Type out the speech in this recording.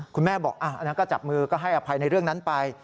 คุณแม่บอกอันนั้นก็จับมือก็ให้อภัยในเรื่องนั้นไป